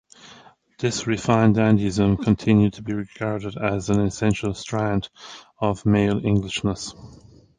This refined dandyism continued to be regarded as an essential strand of male Englishness.